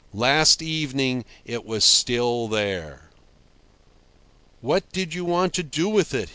Last evening it was still there. "What did you want to do with it?"